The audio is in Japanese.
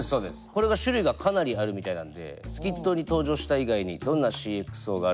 これが種類がかなりあるみたいなんでスキットに登場した以外にどんなＣｘＯがあるのか調べました。